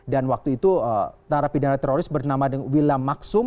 dan waktu itu narapidana teroris bernama willam maksum